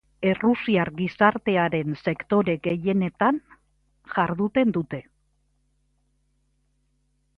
Errusiar gizartearen sektore gehienetan jarduten dute.